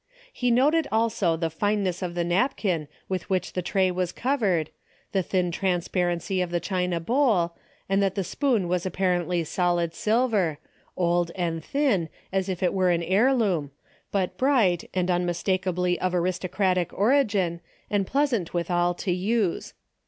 He noted also the fineness of the napkin with which the tray was covered, the thin transparency of the china bowl, and that the spoon was apparently solid silver, old and thin as if it were an heir loom, but bright and unmistakably of aristo cratic origin and pleasant withal to use.